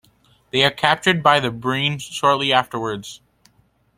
They are captured by the Breen shortly afterwards.